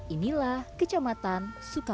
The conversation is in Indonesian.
inilah kecamatan sukamakmur